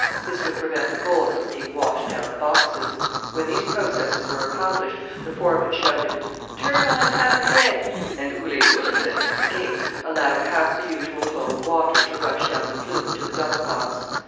This would prevent the gold from being washed down the boxes. When these processes were accomplished the foreman shouted "Turn on half a head," and Ole Oleson, at the gate, allowed half the usual flow of water to rush down the flume to the dump box.